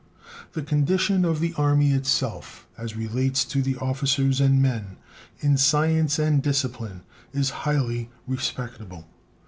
The condition of the Army itself, as relates to the officers and men, in science and discipline is highly respectable.